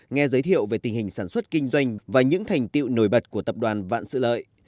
nghe giới thiệu về tình hình sản xuất kinh doanh và những thành tiệu nổi bật của tập đoàn vạn sự lợi